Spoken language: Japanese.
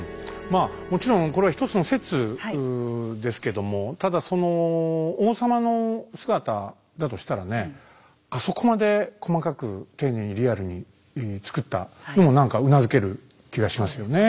まあもちろんこれは一つの説ですけどもただその王様の姿だとしたらねあそこまで細かく丁寧にリアルに作ったのも何かうなずける気がしますよね。